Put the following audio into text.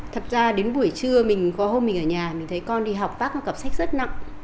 thật ra đến buổi trưa mình có hôm mình ở nhà mình thấy con đi học vác một cặp sách rất nặng